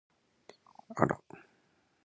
あら！